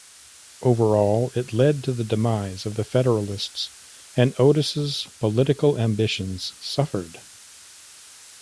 Overall, it led to the demise of the Federalists, and Otis's political ambitions suffered.